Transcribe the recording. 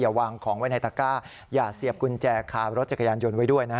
วางของไว้ในตะก้าอย่าเสียบกุญแจคารถจักรยานยนต์ไว้ด้วยนะฮะ